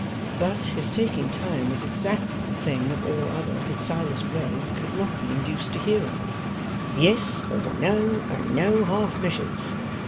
But, his taking time was exactly the thing of all others that Silas Wegg could not be induced to hear of. 'Yes or no, and no half measures!